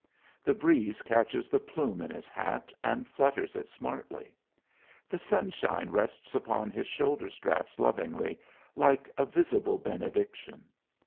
The breeze catches the plume in his hat and flutters it smartly. The sunshine rests upon his shoulder straps, lovingly, like a visible benediction.